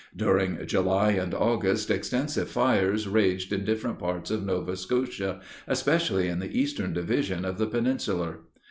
During July and August, extensive fires raged in different parts of Nova Scotia, especially in the eastern division of the peninsular.